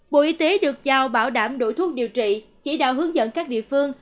bộ y tế được giao bảo đảm đội thuốc điều trị chỉ đạo hướng dẫn các địa phương